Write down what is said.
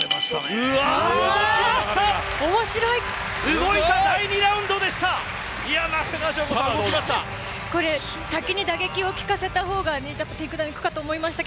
動いた第２ラウンドでした。